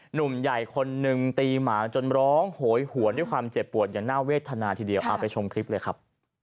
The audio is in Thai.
หนุ่มใหญ่คนนึงตีหมาจนร้องโหยหวนด้วยความเจ็บปวดอย่างน่าเวทนาทีเดียวเอาไปชมคลิปเลยครับ